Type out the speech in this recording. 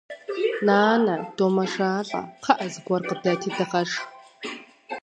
Нанэ, домэжалӏэ, кхъыӏэ, зыгуэр къыдэти дыгъэшх!